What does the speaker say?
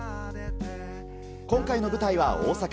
今回の舞台は大阪。